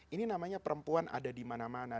ini namanya perempuan ada dimana mana